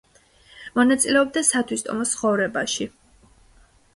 მონაწილეობდა სათვისტომოს ცხოვრებაში.